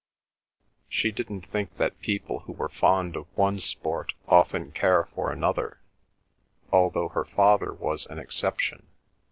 She didn't think that people who were fond of one sport often care for another, although her father was an exception.